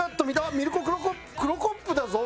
あっミルコ・クロコップだぞ！